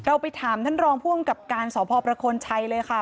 เราไปถามท่านรองผู้อังกฤษการสพชัยเลยค่ะ